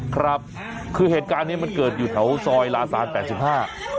ครับคือเหตุการณ์เนี้ยมันเกิดอยู่แถวซอยลาซานแปดสิบห้า